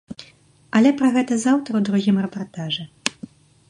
Але пра гэта заўтра у другім рэпартажы.